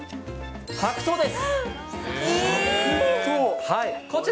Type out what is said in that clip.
白桃です。